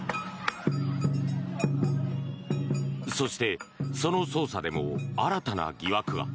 そして、その捜査でも新たな疑惑が。